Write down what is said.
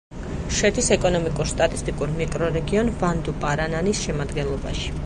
შედის ეკონომიკურ-სტატისტიკურ მიკრორეგიონ ვან-დუ-პარანანის შემადგენლობაში.